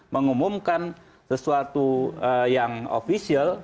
mengumumkan sesuatu yang official